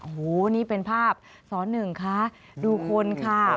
โอ้โหนี่เป็นภาพสอนหนึ่งคะดูคนค่ะ